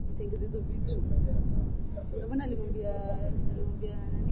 Viongozi wa mwanzo walio teuliwa ni Naibu Waziri wa Mhe Ali Mwinyigogo mabaye